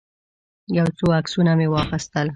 یو څو عکسونه مې واخیستل.